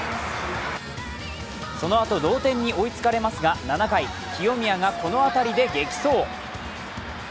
そのあと同点に追いつかれますが、７回、清宮が、この当たりで激走。